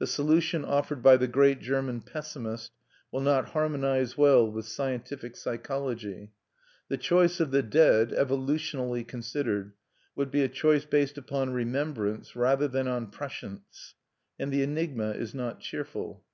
The solution offered by the great German pessimist will not harmonize well with scientific psychology. The choice of the dead, evolutionally considered, would be a choice based upon remembrance rather than on prescience. And the enigma is not cheerful.